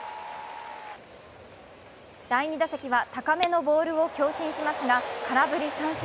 第２打席は高めのボールを強振しますが空振り三振。